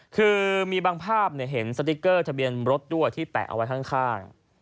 คือมีบางภาพเห็นสติ๊กเกอร์ทะเบียนรถด้วยที่แปะเอาไว้ข้าง